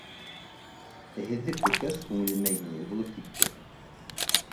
Ә һеҙҙе күргәс, күңелемә еңел булып китте!